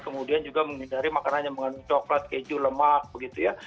kemudian juga menghindari makanan yang mengandung coklat keju lemak begitu ya